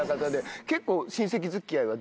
結構親戚付き合いはどう？